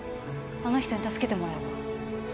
あの人に助けてもらえば？